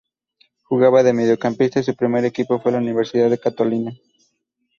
Jugaba de mediocampista y su primer equipo fue la Universidad Católica.